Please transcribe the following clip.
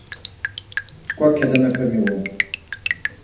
Mskva ǩelemepe miğun.